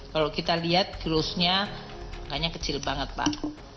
kalau kita lihat grossnya makanya kecil banget pak